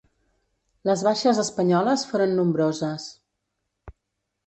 Les baixes espanyoles foren nombroses.